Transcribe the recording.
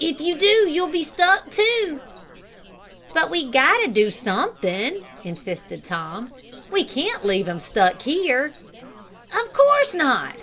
If you do you'll be stuck, too!" "But we got to do something!" insisted Tom. "We can't leave him stuck here!" "Of course not!"